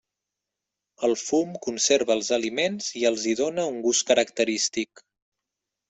El fum conserva els aliments i els hi dóna un gust característic.